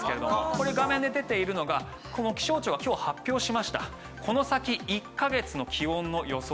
これ画面で出ているのが気象庁が今日発表しましたこの先１カ月の気温の予想なんです。